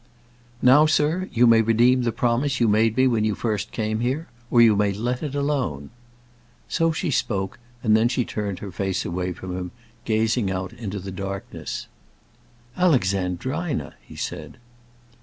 "Now, sir, you may redeem the promise you made me when you first came here, or you may let it alone." So she spoke, and then she turned her face away from him, gazing out into the darkness. "Alexandrina!" he said.